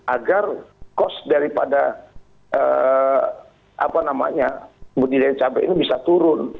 agar cost daripada apa namanya budi dari cabai ini bisa turun